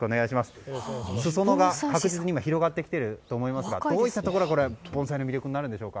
確実に裾野が広がってきていると思いますがどういったところがみりょくになるんでしょうか。